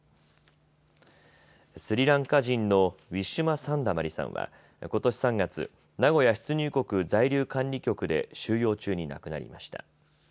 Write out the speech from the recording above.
スリランカ人のウィシュマ・サンダマリさんはことし３月、名古屋出入国在留管理局で収容中に亡くなりました。